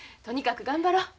とにかく頑張ろ。